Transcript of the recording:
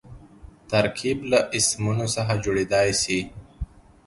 ترکیب له اسمونو څخه جوړېدای سي.